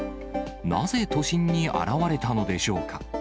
なぜ、都心に現れたのでしょうか。